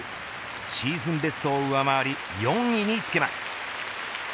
シーズンベストを上回り４位につけます。